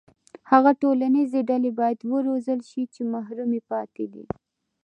هغه ټولنیزې ډلې باید وروزل شي چې محرومې پاتې دي.